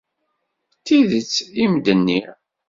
D tidet i m-d-nniɣ.